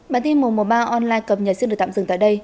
bản tin mùa mùa ba online cập nhật sẽ được tạm dừng tại đây